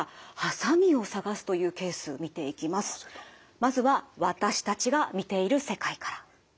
まずは私たちが見ている世界から。